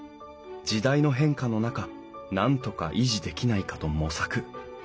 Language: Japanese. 時代の変化の中なんとか維持できないかと模索。